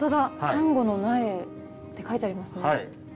「サンゴの苗」って書いてありますね。